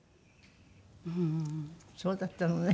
そうだったのね。